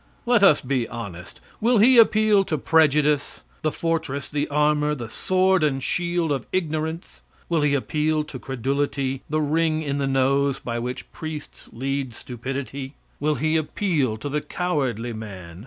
Let us be honest. Will he appeal to prejudice the fortress, the armor, the sword and shield of ignorance? Will he appeal to credulity the ring in the nose by which priests lead stupidity? Will he appeal to the cowardly man?